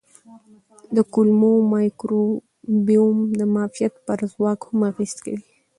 د کولمو مایکروبیوم د معافیت پر ځواک هم اغېز کوي.